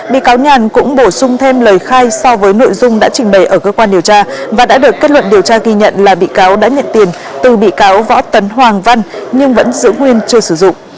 bị cáo nhàn cũng bổ sung thêm lời khai so với nội dung đã trình bày ở cơ quan điều tra và đã được kết luận điều tra ghi nhận là bị cáo đã nhận tiền từ bị cáo võ tấn hoàng văn nhưng vẫn giữ nguyên chưa sử dụng